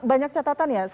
banyak catatan ya